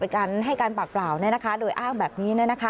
การให้การปากเปล่าโดยอ้างแบบนี้